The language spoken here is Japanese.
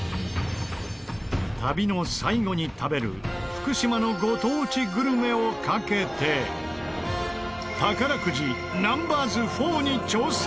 旅の最後に食べる福島のご当地グルメを懸けて宝くじナンバーズ４に挑戦！